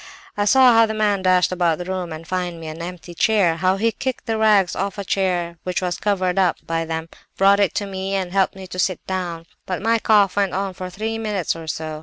"I saw how the man dashed about the room to find me an empty chair, how he kicked the rags off a chair which was covered up by them, brought it to me, and helped me to sit down; but my cough went on for another three minutes or so.